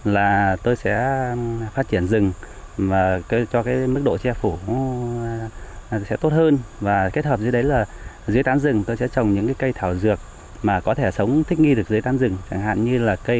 là tôi sẽ phát triển cái đấy mà hiện tại bây giờ đang phát triển rồi